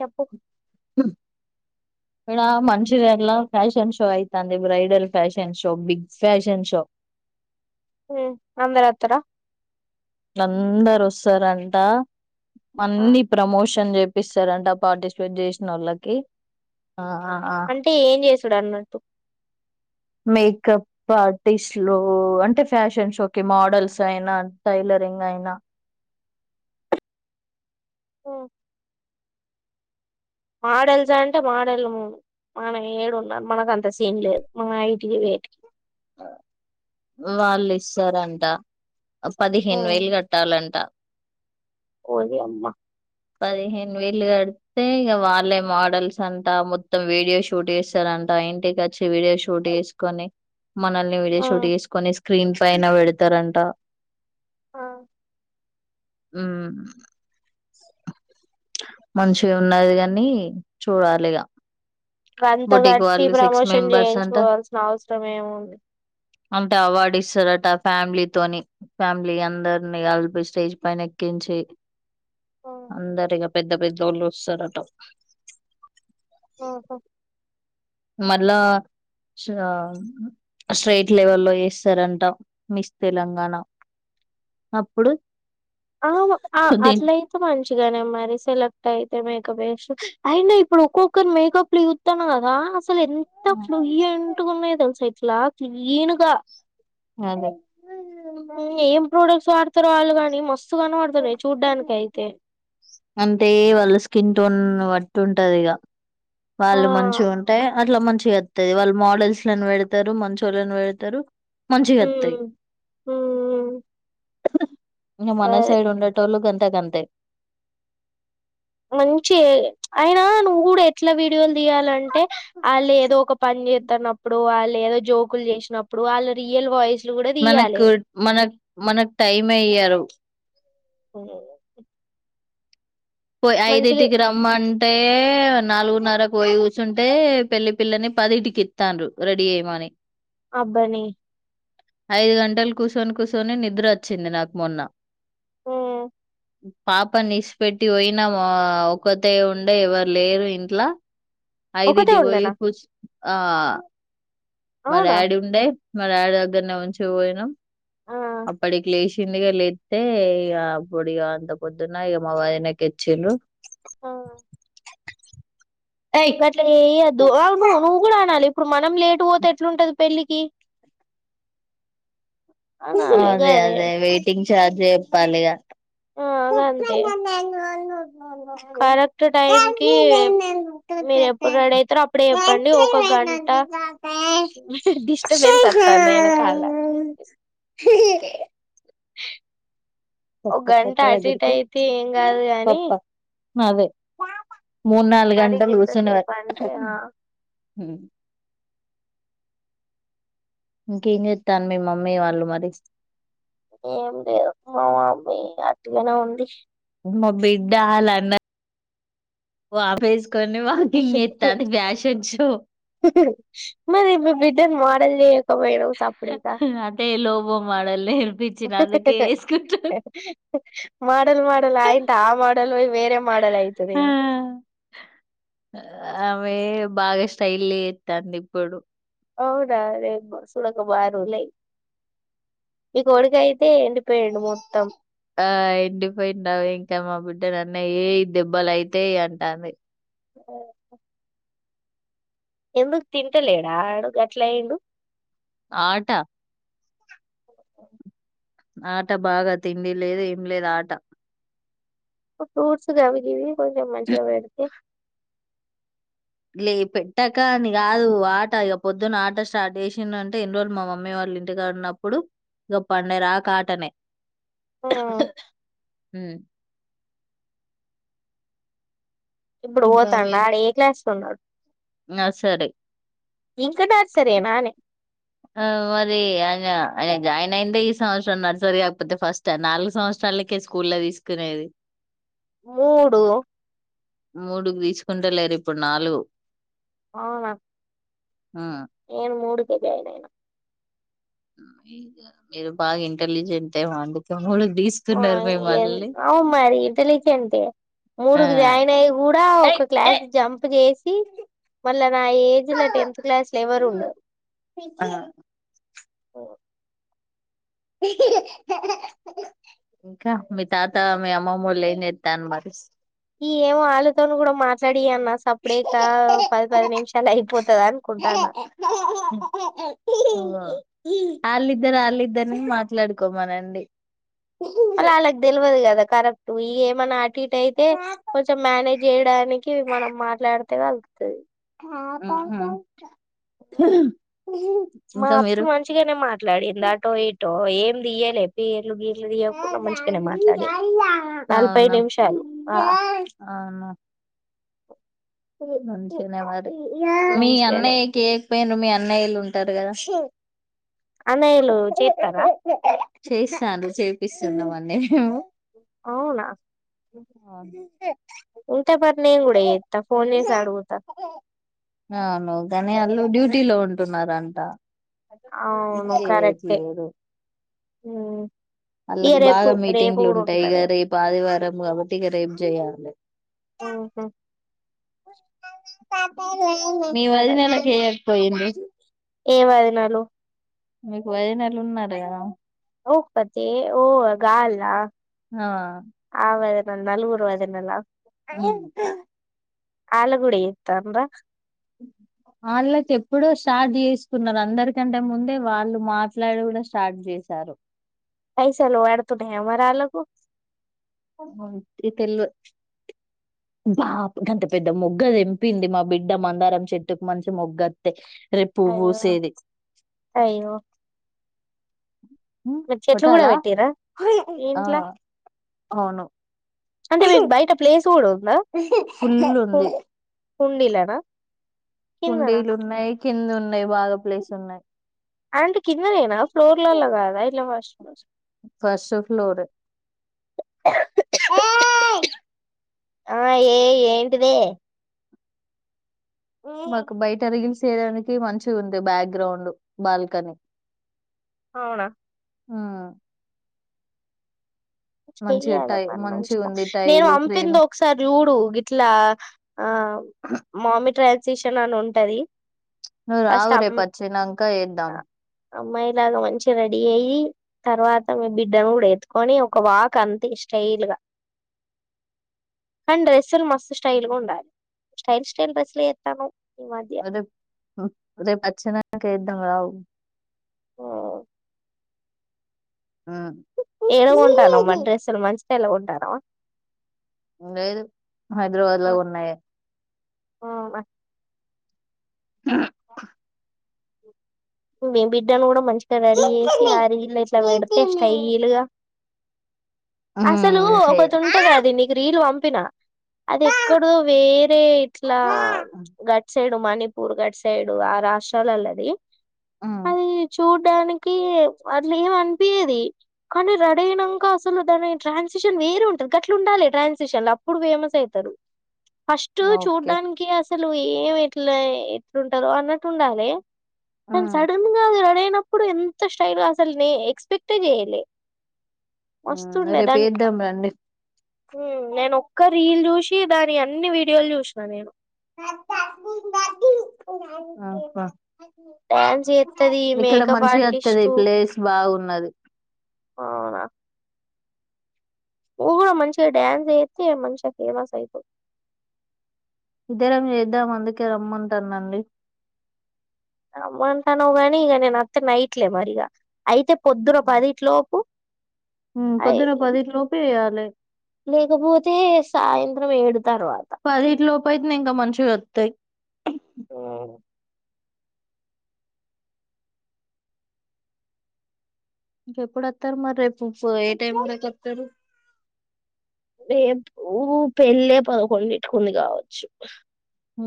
చెప్పు ఇకడ మనుషిర్లా ఫ్యాషన్ షో అయితాంది bridal fashion show big fashion show ఉమ్ అందరోతారా అందరొస్తరంట అన్ని ప్రమోషన్ చెప్ప పిస్తరంట పార్టిసిపేట్ చేసినోళ్ళకి అంటే ఏమ్ చేసుడన్నట్టు మేకప్ ఆర్టిస్ట్లో అంటే ఫ్యాషన్ షో కీ మోడల్స్ అయినా టైర్ రింగైనా మోడల్సంటే మోడలము మన ఏడున్నా మనకంత సీన్ లేదు మన హైట్కి వేట్కి వాళ్ళిస్తరంట పదిహేను వేలు కట్టాలంట ఓడి అమ్మా పదిహేను వేలు కడితే ఇగ వాళ్ళే మోడల్సంట మొత్తం వీడియో షూట్ చేస్తార అంటా ఇంటికొచ్చి వీడియో షూట్ చేసుకొని మనల్ని వీడియో షూట్ చేసుకొని స్క్రీన్ పైన పెడతరంట ఆ ఉమ్ మంచిగున్నది గనీ చుడాలిగా గంత గట్టి ప్రమోషన్ అంట చేయించుకోవాల్సిన అవసరమేముంది అంటే అవార్డిస్తారంట ఫ్యామిలీతోని ఫ్యామిలీ అందరిని కలిపి స్టేజ్ పైన ఎక్కించి ఉమ్, అందరిగా పెద్ద పెద్దోల్లోస్తరట ఉమ్. మళ్ళా ఆ స్టేట్ లెవెల్లో చేస్తారంట మిస్ తెలంగాణ అప్పుడు ఆ దీన్ అట్లయితే మంచిగనే మరి సెలెక్ట్ అయి మేకప్ వేస్ అయినా ఇప్పుడు ఒక్కొక్కరు మేకప్లు చూతన్నా కదా అసలేంత ఫ్లూయ్యంట్ గున్నాయో తెల్సా ఇట్ల క్లీన్ గా అదే స్వార్ధ్ రాళ్ళు కాని మస్ అంటే వాళ్ళ స్కిన్ టోన్ వాట్ ఉంటదిగా ఆ వాళ్ళు మంచిగుంటే అట్లా మంచిగొత్తది వాళ్ళు మోడల్స్ని పెడతరు మంచోళ్ళని వెడతరు ఉమ్ ఉమ్ ఇగ మన సైడ్ ఉండేటోళ్ళు గంతా గంతే మంచే అయినా నువ్వు కూడా ఎట్లా వె తీయాలంటే ఆళ్లు ఏదోక పని చెత్తానప్పుడు లేద జోకులు చేసినప్పుడు ఆళ్ళ రియల్ వాయిస్ మనకు మన మనకు టైం ఎయ్యరు ఓ పోయ్ ఐదింటికి రమ్మంటే నాలుగున్నరకు పోయి కూర్చుంటే పెళ్లి పిల్లని పదిటికి ఇతాండ్రు రెడీ ఏయ్యమని అబ్బని ఐదు గంటలు కుసోని కుసోని నిద్రోచ్చింది నాకు మొన్న ఆ పాపానిస్పెటి పోయినము ఒకతే ఉండే ఎవరు లేరు ఇంట్లా ఒకతే అయిదిటికి పోయి ఉండేనా కుర్చ్ ఆ మా అవునా డాడీ ఉండె మా డాడీ దగ్గరనే ఉంచిపోయినం ఆ అప్పటికి లేషి కింది కెల్లి ఇత్తే ఇగ అప్పుడు ఇగ అంత పొద్దున ఇగ మా వదినకు ఇచ్చిళ్ళు ఆ గట్ల చేయొద్దు అవును నువు గూడ అనాలి ఇప్పుడు మనం లేటు పోతె ఎట్లుంటది పెళ్ళికి అనాలే అదె గదే అదే వెయిటింగ్ ఛార్జ్ చేత్తాళ్ళు ఇగ ఆ గంతే కరెక్ట్ టైం కి మీరు ఎప్పుడు రెడీ అయితారో అప్పుడే చెప్పండి ఒక [unintelligible] గంట డిస్టర్బెన్స్ వత్తాంది ఎనకాల ఒక పప్ప గంట కొడతా అటు అడుగు ఇటు పోయి అయితే ఏం ఉమ్మ్ కాదు గాని పప్ప అదె పాప [unintelligible] మూడు నాలుగు మరి గంటలు కూసున్నవ గింతసేపు అక్క అంటే ఉమ్ ఆ హుమ్ ఇంకేం చెత్తలు మీ మమ్మీ వాళ్ళు మరి ఏం లేదు మామ బై అట్టిగనే ఉంది మా బిడ్డాలన్న ఆఫీస్ కొన్ని వాకింగ్ చేత్తంది బ్యాషన్ షో బిడ్డని మోడల్ చేయకపోయినవ్ సప్పుడేక వ మోడల్ నీర్పిచ్చిన అందుకె ఏసుకుటుంది మోడల్ మోడల్ ఆయింత ఆ మోడళ్ పోయి వేరే మోడల్ అయితదేమో ఆ ఆమె బాగా స్టైలు చెత్తాంది ఇప్పుడు అవునా రే సూడక బాగ రోలు అయి మీ కొడుకయితే ఎండిపోయిండు మొత్తం ఆ ఎండిపోయిండు అవ్ ఇంక మా బిడ్డ నన్నే ఏయ్ దెబ్బలయితయి అంటాంది. ఓహొ ఎందుక్ తింటలేడా ఆడు గట్లయిండు ఆట ఓహొ ఆట బాగా తిండి లేదు ఏం లేదు ఆట ఫ్రూట్స్ గవిగివి కొంచెం మంచిగ పెడితే లే పెట్టక అని కాదు ఆట ఇక పొద్దున్న ఆట స్టార్ట్ చేసిండంటే ఇన్ని రోజులు మా మమ్మీ వాళ్లు ఇంటికాడ ఉన్నప్పుడు ఇగ పండెరాక ఆటనే ఆ ఉమ్ ఇప్పుడు పోతాండ ఆడు ఏ క్లాస్ లో ఉన్నడు? నర్సరి ఇంక నర్సరెనానే ఆ మరి ఆయన జాయిన్ అయిందే ఈ సంవత్సరం నర్సరీ కాకపోతే ఫస్ట నాలుగు సంవత్సరాలు ళ్ళకే స్కూల్ల తీసుకునేది మూడు కుంట లేరు ఇప్పుడు నాలుగు అవున ఆ నేను మూడుకె జాయిన్ అయిన ఉమ్ ఇగ మీరు బాగ ఇంటెలిజెంట్ ఏమో అందుకే మూడు ఆ ఇగ అవు మరి ఇంటలీజెంట్ ఎ ఆ మూడుకి జాయిన్ అయి కూడ ఆ ఏయ్ ఒక క్లాస్ ఏయ్ జంప్ చేసి మళ్ళ నా ఏజ్ ల టెన్త్ క్లాస్ ఎవరు ఉండరు ఆ ఆ ఇంకా మీ తాత మీ అమ్మమ్మోలు ఏం చేత్తళ్లు మరి ఈ ఏమో వాళ్ళతోని కూడా మాట్లాడ ఫీ అన్న సప్పుడేకా పది పది నిమిషాలు అయిపోతద్ అనుకుంటాన ఆళ్ళిద్దరు ఆళిద్దరిని మాట్లాడుకోమనండి ఉహు. అలా ఆళ్ళకి తెల్వద్ కదా కరెక్ట్ ఇ ఏమన్నా ఆటు ఇటు అయితే కొంచెం మేనేజ్ జెయడానికి మనం మాట్లాడితే కలుతది ఉహు మా ఇంకా అత్త మీరు మంచిగానే మాట్లాడింది అటో ఇటో ఓ ఏం తీయలే పేరు పేర్లు గీర్లు తీయకుండా అవునా మంచిగానే మాట్లాడది అవును నలభై నిమిషాలు ఆ మంచిగానే మరి మీ మంచిగానే అన్నయ్యకికపోయిలు మీ అన్నయ్యలుు ఉంటార్ గద చ్ అన్నయ్యలు చేస్తారా చేస్తండ్రు చేపిస్తున్నామండి మేము అవునా ఇంత పరి నేన్ గూడ ఎత్త ఫోన్ చేసి అడుగుతా టిలో ఉంటున్నారంట అవును కరెక్టే చేయట్లేదు ఊ ఆళ్ళకి బాగా మీటింగ్లు ఉంటాయి ఇగ రేప్ ఆదివారం కాబట్టి ఇగ రేపు చేయాలి ఊహ్మ్ మీ కరెక్టే వదినెలకి ఏయకపోయిండ్రు ఏ వదినలు మీకు వదినలు ఉన్నార్ గద ఒకతె ఓ గాల ఆ అవద్ న నలుగురు వదినల ముగ్ ఆలు గుడ జేతరా అలతే ఎప్పుడో స్టార్ట్ చేసుకున్నారు అందరికంటే ముందే వాళ్ళు మాట్లాడు కూడా స్టార్ట్ జెస్ సారు పైసలు వడ్తున్నాయా మరి ఆలకు మ్ ఇగ తెల్వద్ బాప్ గంత పెద్ద మొగ్గ తెంపింది మా బిడ్డ మందారం చెట్టుకు మంచి మొగ్గస్తే రేప్ పువ్వు అయ్యో వూసేది మీర్ చెట్లు కూడా వేటిరా మీ ఆ ఇంట్లా అవును అంటే మిక్ బయట ప్లేస్ కూడా ఉందా ఫుల్ ఉంది హుండీల నా హుండీలు ఉన్నాయి కింద ఉన్నాయి బాగా ప్లేస్ ఉన్నాయి అంటే కిందనేనా ఫ్లోర్ లలా కాదా ఇట్ల ఫస్ట్ ఫ్లోర్స్ ఫస్ట్ ఫ్లోరె ఆ ఏ ఏంటిదే మ్ మాకు బయట రీల్స్ చేేయడానికి మంచి ఉంది బ్యాక్ గ్రౌండ్ బాల్కనీ అవునా ఊ చేయాలి టై పని మంచిగా ఉంది నేన్ టైలు ఫ్రేమ్ వంపింద్ ఒకసారి జుడు ఇట్లా ఆ అవ్ మమ్మి ట్రైల్సషన్ అని ఉంటది నువ్ రావు ఫస్ట్ రేప్ అమ్ ఒచ్చినంక ఏదం ఆ అమ్మాయిలాగా మంచి రెడీ అయ్యి తర్వాత మ బిడ్డను కూడా ఎత్తుకొని ఒక వాక్ అంతే స్టైల్ గా కని డ్రేస్సులు మస్తు స్టైల్గుండాలి స్టైల్ స్టైల్ డ్రేస్సులు ఎత్తనవ్ అదేప్ రేపచ్చినంక ఎద్దం రావు ఆ ఎడ కొంటానవ్ మరి డ్రెస్సులు మంచి [unintelligible] కొంటానవా లేదు హైద్రాబాద్ ల కొన్నయే అవునా ఇంక మీ బిడ్డను గూడ మంచిగ రెడీ చేసి ఆ రీల్ల ఇట్ల వెడితే స్టైల్గా అసలూ ఉమ్ చెయ్ ఒకతుంటదది నీకు రీలు పంపిన అది ఎక్కడ్దో వేరే ఇట్లా గట్ సైడ్ మణిపూర్ గట్ సైడు ఆ రాష్ట్రాలల్లది ఉమ్ అది చూడ్ డానికి అట్ల ఏం అనిపియది కానీ రడయినంక అసలు దాని ట్రాన్సిషన్ వె వేరు ఉంటది గట్లుండాలి ట్రాన్సిషన్ లు అప్పుడు ఫేమస్ అయితరు ఫస్ట్ ఓకే చూడ్డానికి అస్ సలు ఏం ఎట్ల ఎట్లుంటరో అన్నట్టు ఉండాలి అసల్ ఉమ్ సడన్ గా అది రడయినప్పుడు ఎంత స్టైల్గ అసలు నే ఎక్స్పెక్టే చేయలే ఉమ్ మస్తుండే రేపు దాన్ని వేద్దాం నేను ఒక్క రండి రీల్ చూసి దాన్ ని అన్నీ వీడియోలు జూశిన నేను ఆహా డ్యాన్స్ చేత్తది ఇక్కడ మేకప్ మంచిగత్తది ఆర్టిస్టు ప్లేస్ బాగున్నది ఆవునా నువ్ గూడ మంచిగ డ్యాన్స్ చేత్తె ఇగ మంచిగ ఫేమస్ అయితవ్ ఇద్దరం చేద్దం అందుకే రమ్మంటానండి మంటనవ్ గనీ ఇగ నేనొత్తే నైట్లే మరి ఇగ అయితే పొద్దున పదింట్లోప్ మ్ పొద్దున పదింట్లోపె ఎయ్యాలి లేకపోతే సాయంత్రం ఏడు తర్వాత పదింట్లోపైత్నే ఇంక మంచిగొత్తయ్ ఇంకెప్పుడు ఒత్తరు మరి రేపు ఫ్ ఏ టైం వరకి ఒత్తరు రేపు పెళ్ళే పదకొండింటికి ఉంది కావచ్చు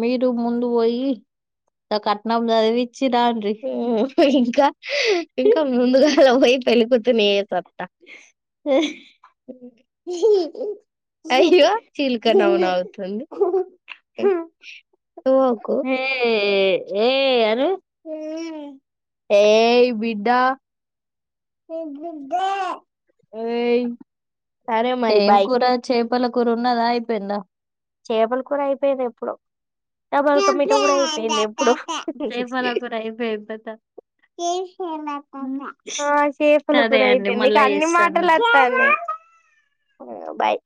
మీరు ముందు పోయి గ కట్నం చదివి ఇంకా ఇంకా ముందుగాలా పోయి పెళ్ళి కూతుర్ని చేస అత్ అయ్యో చీలక నవ్వు నవ్వుతుంది ఒకు ఎ ఏ అను ఏయ్ బిడ్డా ఏయ్ సరే మరి బాయ్ పలకూరున్నదా అయిపోయిందా చేపల కూర అయిపోయింది ఎప్పుడొ చేపల కూర అయిపొయింది దట ఆ చేపల సరే కూర అండి అయిపోయింది మళ్ళ ఇక అన్ని చేస్తాను మాటలు వత్తాన్నాయి బాయ్